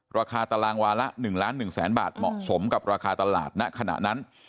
ราคาตารางวาละ๑ล้าน๑แสนบาทเหมาะสมกับราคาตลาดณขณะนั้น